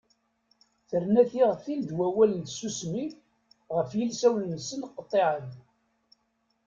Terna tiɣtin n wawal d tsusmi ɣef yilsawen-nsen qeṭṭiɛen.